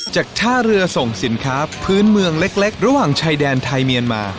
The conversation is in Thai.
จากท่าเรือส่งสินค้าพื้นเมืองเล็กระหว่างชายแดนไทยเมียนมา